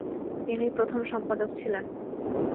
তিনি প্রথম সম্পাদক ছিলেন।